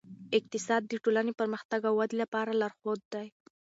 اقتصاد د ټولنې پرمختګ او ودې لپاره لارښود دی.